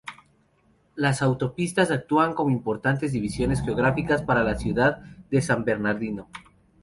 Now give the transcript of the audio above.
Las autopistas actúan como importantes divisiones geográficas para la ciudad de San Bernardino.